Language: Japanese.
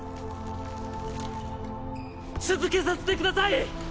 続けさせてください！